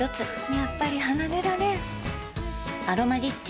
やっぱり離れられん「アロマリッチ」